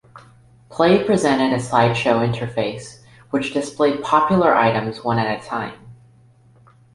Play presented a slideshow interface which displayed popular items one at a time.